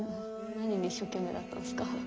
何に一生懸命だったんですか？